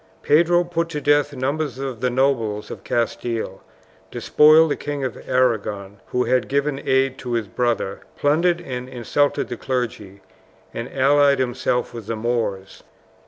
Pedro put to death numbers of the nobles of Castile, despoiled the King of Arragon, who had given aid to his brother, plundered and insulted the clergy, and allied himself with the Moors.